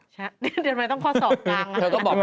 เดี๋ยวทำไมต้องข้อสอบกลาง